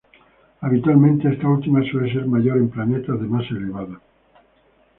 Habitualmente, esta última suele ser mayor en planetas de masa elevada.